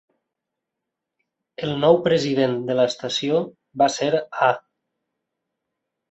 El nou president de l'estació va ser A.